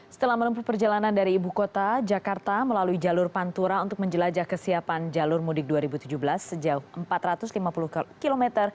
setelah menempuh perjalanan dari ibu kota jakarta melalui jalur pantura untuk menjelajah kesiapan jalur mudik dua ribu tujuh belas sejauh empat ratus lima puluh km